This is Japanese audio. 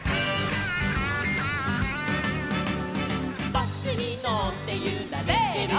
「バスにのってゆられてる」せの！